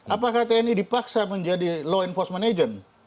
apakah tni dipaksa menjadi law enforcement management